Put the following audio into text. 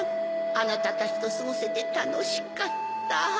あなたたちとすごせてたのしかった。